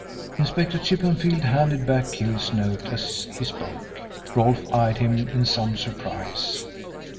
Inspector Chippenfield handed back Hill's note as he spoke. Rolfe eyed him in some surprise.